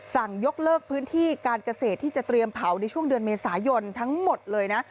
ยกเลิกพื้นที่การเกษตรที่จะเตรียมเผาในช่วงเดือนเมษายนทั้งหมดเลยนะ